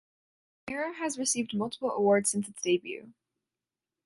Mirror has received multiple awards since its debut.